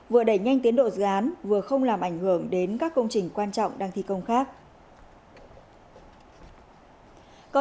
vừa đẩy nhanh tiến độ dự án vừa không làm ảnh hưởng đến các công trình quan trọng đang thi công khác